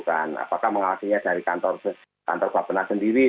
apakah mengawasinya dari kantor papena sendiri